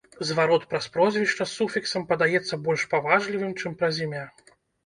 Зварот праз прозвішча з суфіксам падаецца больш паважлівым, чым праз імя.